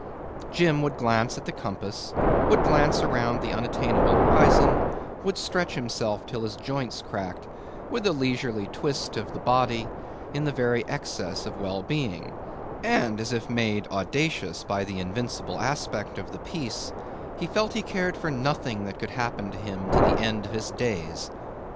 Jim would glance at the compass, would glance around the unattainable horizon, would stretch himself till his joints cracked, with a leisurely twist of the body, in the very excess of well being; and, as if made audacious by the invincible aspect of the peace, he felt he cared for nothing that could happen to him to the end of his days.